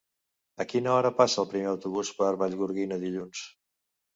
A quina hora passa el primer autobús per Vallgorguina dilluns?